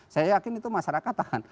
saya yakin itu masyarakat tahan